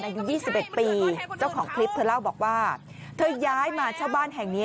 อายุ๒๑ปีเจ้าของคลิปเธอเล่าบอกว่าเธอย้ายมาเช่าบ้านแห่งนี้